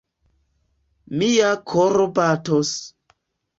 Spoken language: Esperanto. Mia koro batos!